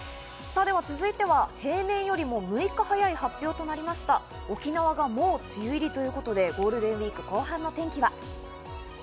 続いて平年よりも６日早い発表となりました沖縄がもう梅雨入りということで、ゴールデンウイーク後半の天気は？